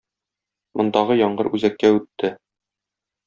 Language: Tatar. Мондагы яңгыр үзәккә үтте.